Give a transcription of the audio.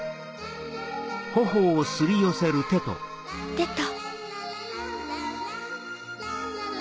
テト。